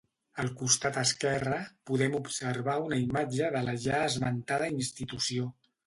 Al costat esquerre, podem observar una imatge de la ja esmentada institució.